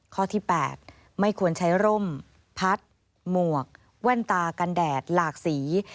ข้อที่๘ไม่ควรใช้ร่มพัดหมวกแว่นตากันแดดหลากสี